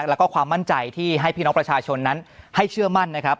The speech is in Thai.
แล้วก็ความมั่นใจที่ให้พี่น้องประชาชนนั้นให้เชื่อมั่นนะครับ